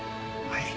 はい。